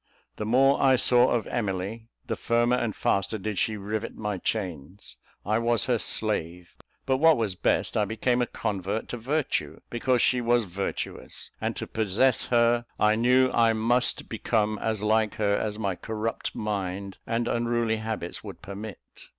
The more I saw of Emily, the firmer and faster did she rivet my chains. I was her slave: but what was best, I became a convert to virtue, because she was virtuous; and to possess her, I knew I must become as like her as my corrupt mind and unruly habits would permit.